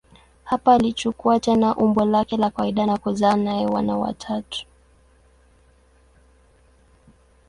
Hapa alichukua tena umbo lake la kawaida na kuzaa naye wana watatu.